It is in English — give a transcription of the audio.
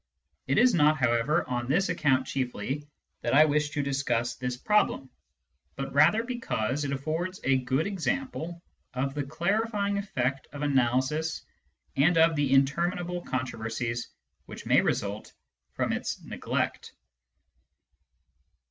It is not, however, on this account chiefly that I wish to discuss this problem, but rather because it affords a good example of the clarifying effect of analysis and of the interminable con troversies which may result from its neglect.